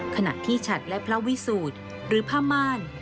ขณะที่ฉัดและพระวิสูจน์หรือผ้าม่าน